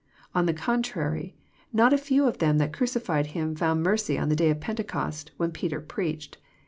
On the contrary, not a few of them that erpcified Him found mercy on the day of Pentecost, when Peter preached.